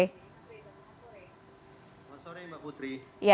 mas reza selamat sore mbak putri